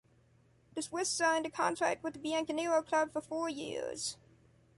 The Swiss signed a contract with the “Bianconero” Club for four years.